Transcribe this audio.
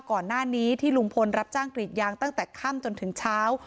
ก่อนหน้านี้ที่ลุงพลรับจ้างกรีดยางตั้งแต่ค่ำจนถึงเช้า